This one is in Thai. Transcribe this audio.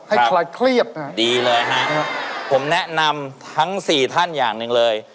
ให้คลัดเครียบนะครับดีเลยฮะผมแนะนำทั้งสี่ท่านอย่างหนึ่งเลย